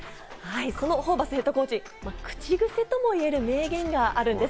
ホーバスＨＣの口癖とも言える名言があるんです。